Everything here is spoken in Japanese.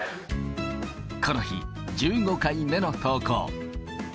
この日、１５回目の投稿。